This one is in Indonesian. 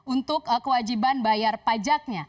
untuk kewajiban bayar pajak